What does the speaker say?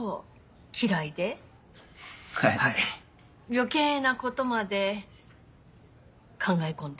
余計なことまで考え込んで。